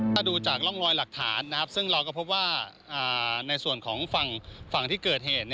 ถ้าดูจากร่องรอยหลักฐานซึ่งเราก็พบว่าในส่วนของฝั่งที่เกิดเหตุ